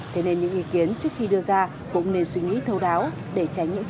thế nên những ý kiến trước khi đưa ra cũng nên suy nghĩ thâu đáo để tránh những tranh cãi không đáng có